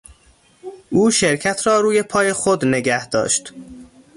او شرکت را روی پای خود نگه داشت.